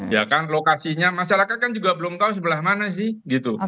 ya kan lokasinya masyarakat kan juga belum tahu sebelah mana sih gitu